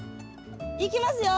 いきますよ。